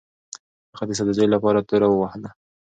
هغه د سدوزیو لپاره توره ووهله.